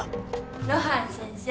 露伴先生。